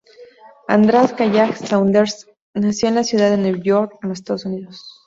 András Kállay-Saunders nació en la ciudad de Nueva York, en los Estados Unidos.